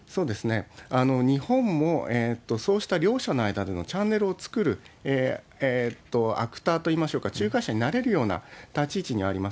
日本も、そうした両者の間でのチャンネルを作る、アクターといいましょうか、仲介者になれるような立ち位置にあります。